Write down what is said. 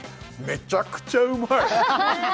めちゃくちゃうまい！